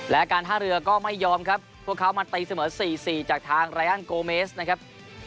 และการท่าเรือก็ไม่ยอมครับพวกเขามาตีเสมอ๔๔จากทางไรอันโกเมสนะครับ